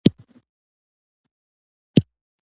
لارويه! موږ په کرکه کې تاوده يو